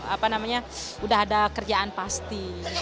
apa namanya udah ada kerjaan pasti